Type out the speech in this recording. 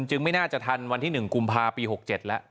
ไม่น่าจะทันวันที่๑กุมภาปี๖๗แล้ว